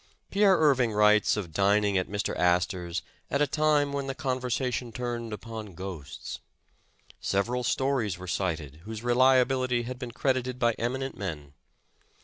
Pierre Irving writes of dining at Mr. Astor 's at a time when the conversation turned upon ghosts. Sev eral stories were cited, whose reliability had been cred ited by eminent men.